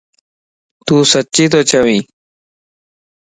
تون سچي تي چوين؟